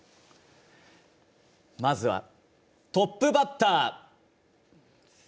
まずは、トップバッター。